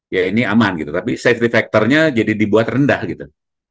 ya ini aman gitu tapi safety factornya jadi dibuat rendah gitu